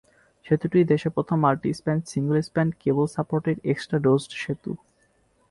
সেতুটি দেশের প্রথম মাল্টি-স্প্যান, সিঙ্গল-স্প্যান কেবল-সাপোর্টেড এক্সট্রা-ডোজড সেতু।